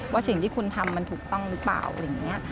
สิ่งที่คุณทำมันถูกต้องหรือเปล่าอะไรอย่างนี้